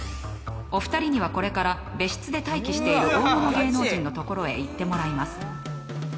お二人には、これから別室で待機している大物芸能人の所へ行ってもらいます。